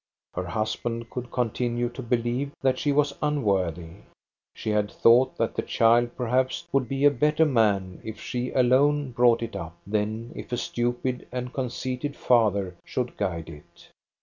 Her husband could continue to believe that she was unworthy. She had thought that the child perhaps would be a better man if she alone brought it up, than if a stupid and conceited father should guide it.